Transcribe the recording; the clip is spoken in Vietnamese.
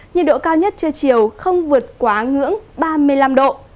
nhiệt độ cao nhất trưa chiều không vượt quá ngưỡng ba mươi năm độ